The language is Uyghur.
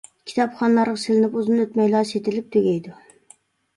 كىتابخانىلارغا سېلىنىپ ئۇزۇن ئۆتمەيلا سېتىلىپ تۈگەيدۇ.